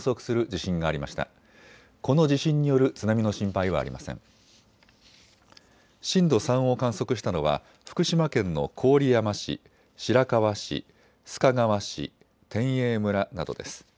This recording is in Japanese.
震度３を観測したのは福島県の郡山市、白河市、須賀川市、天栄村などです。